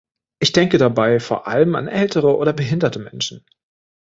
Ich denke dabei vor allem an ältere oder behinderte Menschen.